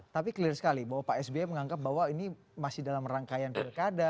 tapi clear sekali bahwa pak sby menganggap bahwa ini masih dalam rangkaian pilkada